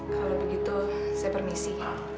kalau begitu saya permisi